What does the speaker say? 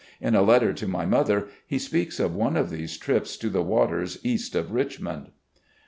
In a letter to my mother he speaks of one of these trips to the waters east of Richmond.